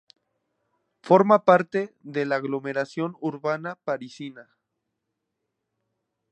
Forma parte de la aglomeración urbana parisina.